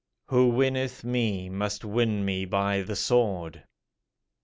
Who winneth me must win me by the sword."